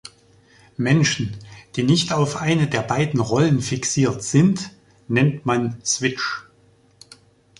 Menschen, die nicht auf eine der beiden Rollen fixiert sind, nennt man Switch.